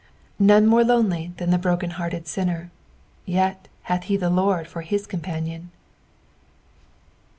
None more lonely than the broken hearted sinner, yet hath he the Lord for his companion.